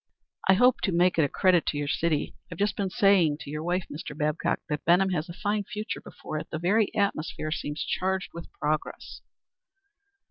"I hope to make it a credit to your city. I've just been saying to your wife, Mr. Babcock, that Benham has a fine future before it. The very atmosphere seems charged with progress."